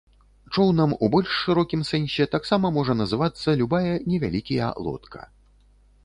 Чоўнам у больш шырокім сэнсе таксама можа называцца любая невялікія лодка.